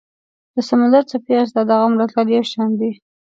د سمندر څپې او ستا د غم راتلل یو شان دي